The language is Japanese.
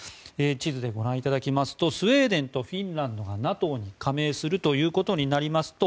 地図でご覧いただきますとスウェーデンとフィンランドがＮＡＴＯに加盟することになりますと